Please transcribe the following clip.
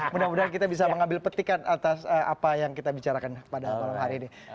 mudah mudahan kita bisa mengambil petikan atas apa yang kita bicarakan pada malam hari ini